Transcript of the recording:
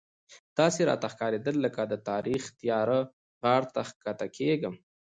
داسې راته ښکارېدل لکه د تاریخ تیاره غار ته ښکته کېږم.